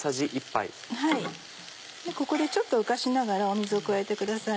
ここでちょっと浮かしながら水を加えてください。